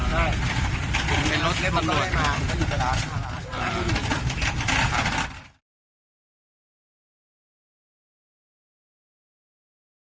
ใช่เป็นรถเล่มอบรวดมันก็อยู่ตรงร้าน